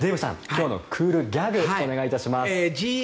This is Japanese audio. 今日のクールギャグをお願いします。